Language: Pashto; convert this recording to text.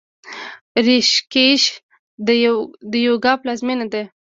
ریشیکیش د یوګا پلازمینه ده.